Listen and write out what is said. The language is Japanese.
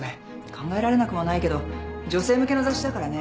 考えられなくもないけど女性向けの雑誌だからね。